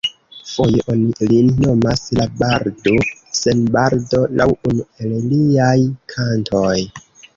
Foje oni lin nomas la "Bardo sen barbo", laŭ unu el liaj kantoj.